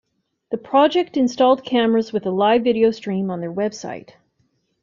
The project installed cameras with a live video stream on their website.